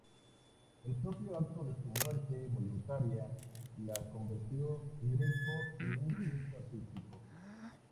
El propio acto de su muerte voluntaria, la convirtió Greco en un gesto artístico.